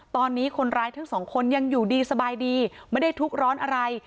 ตอนนี้คนร้ายทั้งสองคนยังอยู่ดีสบายดีไม่ได้ทุกข์ร้อนอะไร